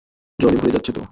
জলে ভরে যাচ্ছে তো।